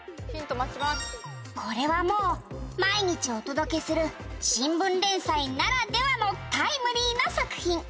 「これはもう毎日お届けする新聞連載ならではのタイムリーな作品」